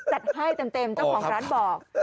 จัดให้เต็มเจ้าของร้านบอก